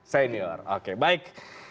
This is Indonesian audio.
senior oke baik